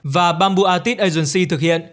và bamboo artist agency thực hiện